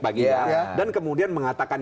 bagi kita dan kemudian mengatakan